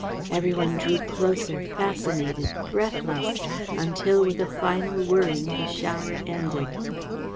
Every one drew closer, fascinated, breathless, until with a final whirring the shower ended.